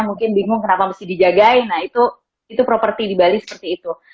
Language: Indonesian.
mungkin bingung kenapa mesti dijagain nah itu properti di bali seperti itu